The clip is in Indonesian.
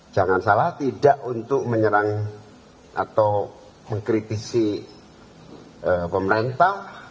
jangan salah tidak untuk menyerang atau mengkritisi pemerintah